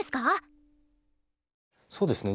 そうですね。